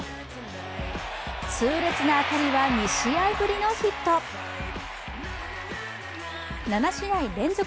痛烈な当たりは２試合ぶりのヒット７試合連続